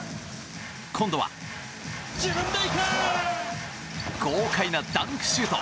今度は豪快なダンクシュート。